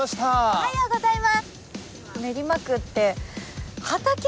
おはようございます。